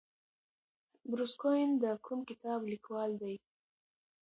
بروس کوئن د کوم کتاب لیکوال دی؟